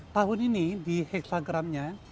tahun ini di heksagramnya